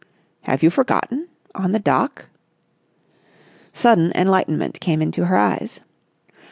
"Have you forgotten? On the dock...." Sudden enlightenment came into her eyes.